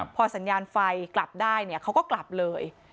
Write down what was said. พอสัญญาณไฟกลับได้เนี่ยเขาก็กลับเลย